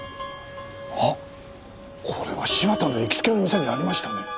あっこれは柴田の行きつけの店にありましたね。